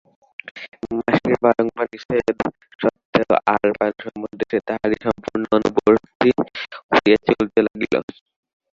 মাসির বারংবার নিষেধসত্ত্বেও আহার-পান সম্বন্ধে সে তাঁহারই সম্পূর্ণ অনুবর্তী হইয়া চলিতে লাগিল।